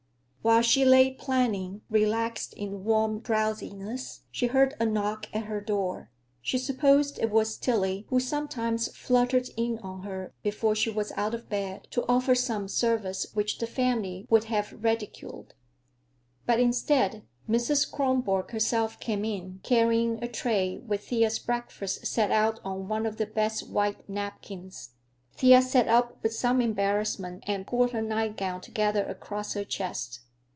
While she lay planning, relaxed in warm drowsiness, she heard a knock at her door. She supposed it was Tillie, who sometimes fluttered in on her before she was out of bed to offer some service which the family would have ridiculed. But instead, Mrs. Kronborg herself came in, carrying a tray with Thea's breakfast set out on one of the best white napkins. Thea sat up with some embarrassment and pulled her nightgown together across her chest.